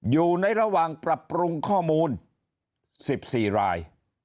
อยู่ในระหว่างปรับปรุงข้อมูล๑๔ราย